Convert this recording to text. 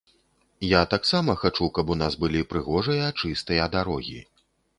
Я таксама хачу, каб у нас былі прыгожыя, чыстыя дарогі.